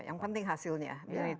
yang penting hasilnya